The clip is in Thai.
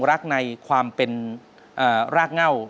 รักในความเป็นรากเง่า